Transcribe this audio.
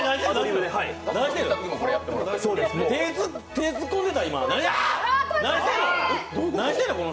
手、突っ込んでた今、何してんの？